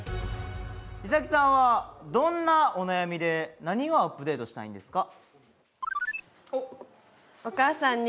衣咲さんはどんなお悩みで何をアップデートしたいんですか？